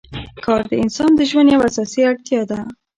کار د انسان د ژوند یوه اساسي اړتیا ده